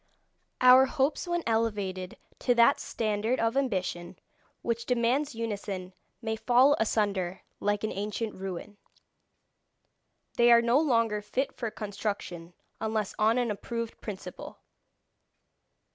Our hopes when elevated to that standard of ambition which demands unison may fall asunder like an ancient ruin. They are no longer fit for construction unless on an approved principle.